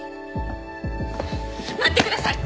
待ってください！